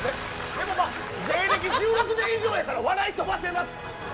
でも芸歴１６年以上ですから笑い飛ばせます。